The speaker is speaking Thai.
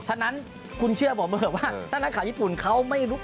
ฉะนั้นคุณเชื่อบอกเมื่อเมื่อว่าเออท่านนักข่าวญี่ปุ่นเขาไม่รู้